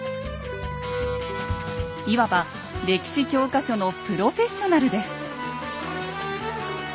いわば歴史教科書のプロフェッショナルです。